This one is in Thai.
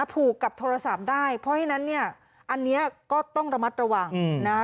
ผูกกับโทรศัพท์ได้เพราะฉะนั้นเนี่ยอันนี้ก็ต้องระมัดระวังนะคะ